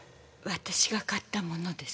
私が買ったものです。